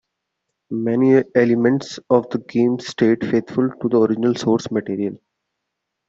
Many elements of the game stayed faithful to the original source material.